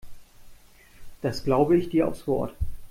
Das glaube ich dir aufs Wort.